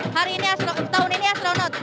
hari ini tahun ini astronot